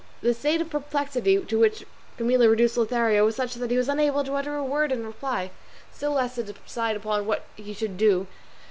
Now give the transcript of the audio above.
The state of perplexity to which Camilla reduced Lothario was such that he was unable to utter a word in reply, still less to decide upon what he should do.